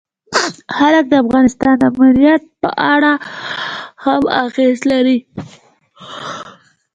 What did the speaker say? جلګه د افغانستان د امنیت په اړه هم اغېز لري.